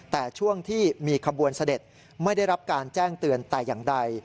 แต่ช่วงที่มีขบวนเสด็จไม่ได้รับการแจ้งเตือนแต่อย่างใด